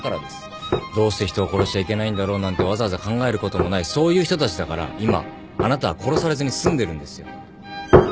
「どうして人を殺しちゃいけないんだろう」なんてわざわざ考えることもないそういう人たちだから今あなたは殺されずに済んでるんですよ。